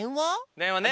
でんわね。